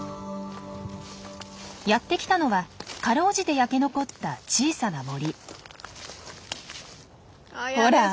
やって来たのはかろうじて焼け残った小さな森。